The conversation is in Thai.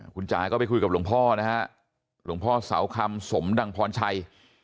คุณจ๋าก็ไปคุยกับหลวงพ่อนะฮะหลวงพ่อเสาคำสมดังพรชัย